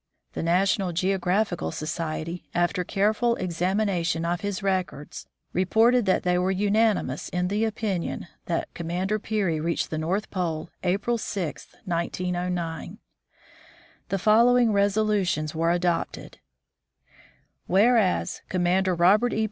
The National Geographical Society after careful examination of his records reported that they were unanimous in the opinion that Commander Peary reached the North Pole, April 6, 1909. The following resolutions were adopted :" Whereas, Commander Robert E.